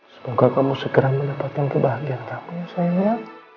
semoga kamu segera mendapatkan kebahagiaan kamu sayangnya